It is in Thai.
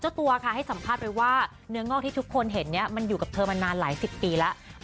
ตัวค่ะให้สัมภาษณ์ไปว่าเนื้องอกที่ทุกคนเห็นเนี่ยมันอยู่กับเธอมานานหลายสิบปีแล้ว